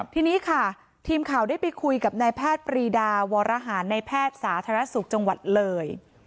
ทีนี้ค่ะทีมข่าวได้ไปคุยกับนายแพทย์ปรีดาวรหารในแพทย์สาธารณสุขจังหวัดเลย